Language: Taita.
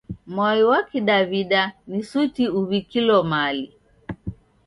Mwa wa Kidaw'ida ni suti uw'ikilo mali.